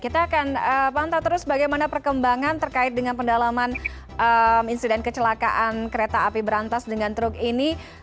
kita akan pantau terus bagaimana perkembangan terkait dengan pendalaman insiden kecelakaan kereta api berantas dengan truk ini